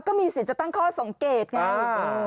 ก็มีสิทธิ์จะตั้งข้อสังเกตไง